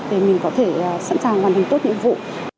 để mình có thể sẵn sàng hoàn thành tốt nhiệm vụ